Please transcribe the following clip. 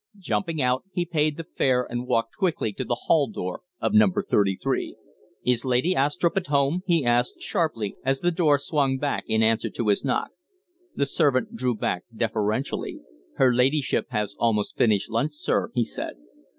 Jumping out, he paid the fare and walked quickly to the hall door of No. 33. "Is Lady Astrupp at home?" he asked, sharply, as the door swung back in answer to his knock. The servant drew back deferentially. "Her ladyship has almost finished lunch, sir," he said.